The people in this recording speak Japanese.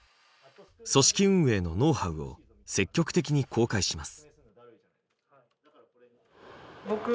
組織運営のノウハウを積極的に公開します。